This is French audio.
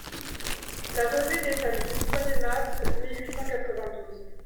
LA REVUE DES FAMILLES, premier mars mille huit cent quatre-vingt-douze.